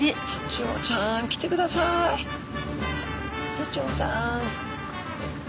タチウオちゃん。